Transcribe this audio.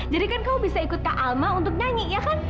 jadi kan kamu bisa ikut kak alma untuk nyanyi ya kan